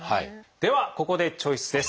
ではここでチョイスです。